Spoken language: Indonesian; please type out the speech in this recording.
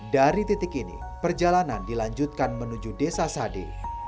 dari titik ini perjalanan dilanjutkan menuju desa sade